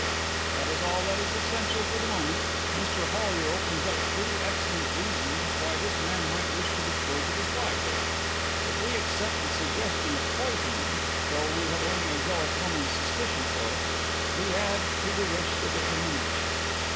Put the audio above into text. "That is all that is essential for the moment. Mr Hollyer opens up three excellent reasons why this man might wish to dispose of his wife. If we accept the suggestion of poisoning though we have only a jealous woman's suspicion for it we add to the wish the determination.